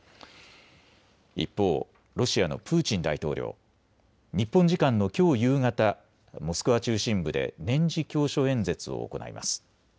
一方、ロシアのプーチン大統領。日本時間のきょう夕方モスクワ中心部で年次教書演説を行います。